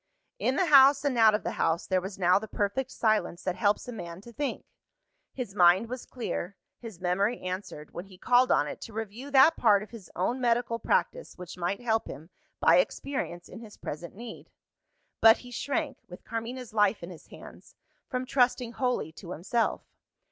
In the house and out of the house, there was now the perfect silence that helps a man to think. His mind was clear; his memory answered, when he called on it to review that part of his own medical practice which might help him, by experience, in his present need. But he shrank with Carmina's life in his hands from trusting wholly to himself.